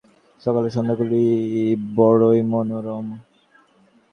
সকাল ও সন্ধ্যাগুলি বড়ই মনোরম।